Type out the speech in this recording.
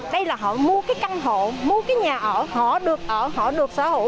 đây là họ mua cái căn hộ mua cái nhà ở họ được ở họ được sở hữu